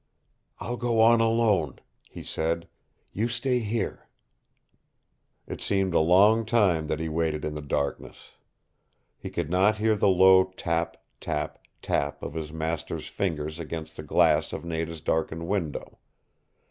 "I'll go on alone," he said. "You stay here." It seemed a long time that he waited in the darkness. He could not hear the low tap, tap, tap of his master's fingers against the glass of Nada's darkened window.